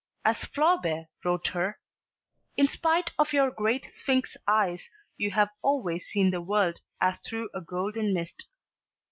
As Flaubert wrote her: "In spite of your great Sphinx eyes you have always seen the world as through a golden mist."